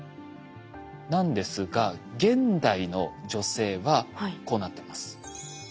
なんですが現代の女性はこうなってます。